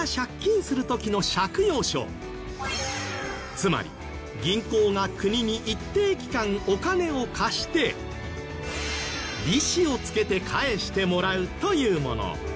つまり銀行が国に一定期間お金を貸して利子をつけて返してもらうというもの。